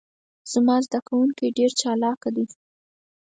زما ذده کوونکي ډیر چالاکه دي.